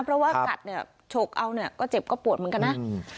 เพราะว่ากัดเนี่ยฉกเอาเนี่ยก็เจ็บก็ปวดเหมือนกันนะ